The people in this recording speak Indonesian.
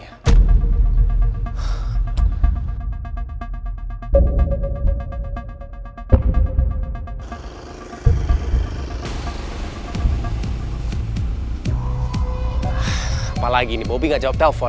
apa lagi ini bobby gak jawab telepon